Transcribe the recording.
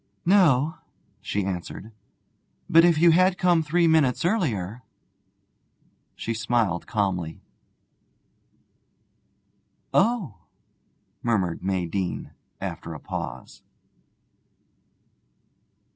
'No,' she answered; 'but if you had come three minutes earlier ' She smiled calmly. 'Oh!' murmured May Deane, after a pause.